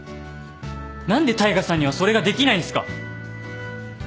何で大海さんにはそれができないんすか？